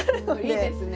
いいですね。